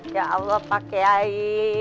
ya allah pak ciai